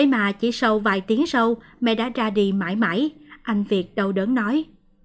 mà chỉ sau vài tiếng sâu mẹ đã ra đi mãi mãi anh việt đau đớn nói